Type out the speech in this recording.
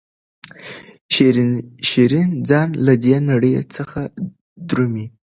شیرین ځان له دې نړۍ څخه درومي.